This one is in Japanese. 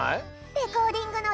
レコーディングのえい